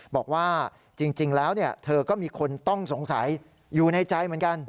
บอกว่าจริงแล้วเธอก็มีคนต้องสงสัยอยู่ในใจเหมือนกัน